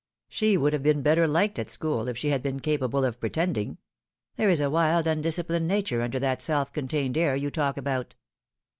She would have been better liked at school if she had been capable of pretending. There is a wild, undisciplined nature under that self contained air you talk ubout."